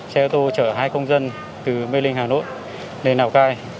xe ô tô chở hai công dân từ mê linh hà nội lên lào cai